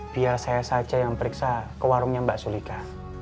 biar saya saja yang periksa ke warungnya mbak sulika